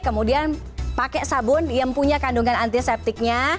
kemudian pakai sabun yang punya kandungan antiseptiknya